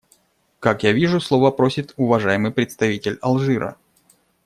Как я вижу, слова просит уважаемый представитель Алжира.